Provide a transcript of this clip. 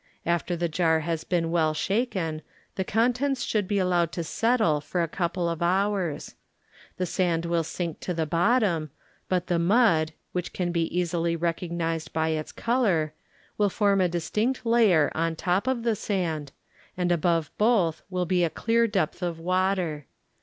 After the jar has been well shaken, the contents should be allowed to settle for a couple of hours. The sand will sink to the bottom, but the mud, which can be easily recognized by its color, will form a distinct layer on top of the sand, and above both will be a clear depth of water.